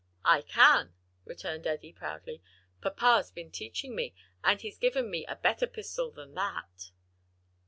"I can," returned Eddie, proudly, "papa's been teaching me, and he's given me a better pistol than that."